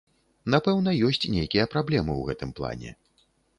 Напэўна, ёсць нейкія праблемы ў гэтым плане.